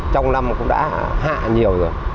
trong năm cũng đã hạ nhiều rồi